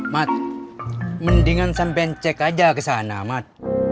mat mendingan sampe cek aja kesana mat